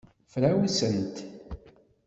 Frawsent.